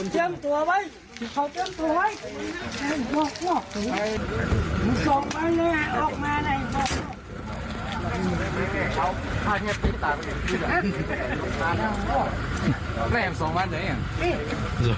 จะอยู่ไหนกันเนี่ย